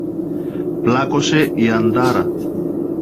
Πλάκωσε η αντάρα!